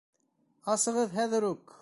Асығыҙ хәҙер үк!